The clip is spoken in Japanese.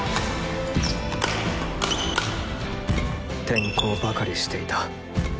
転校ばかりしていた。